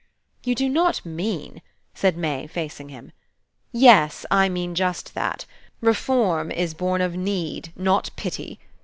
"You do not mean" said May, facing him. "Yes, I mean just that. Reform is born of need, not pity.